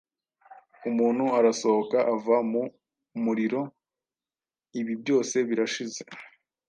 Umuntu arasohoka ava mu muriro: ibibi byose birashize.